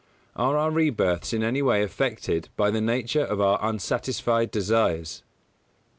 _Are our rebirths in any way affected by the nature of our unsatisfied desires?